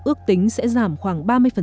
ước tính sẽ giảm khoảng ba mươi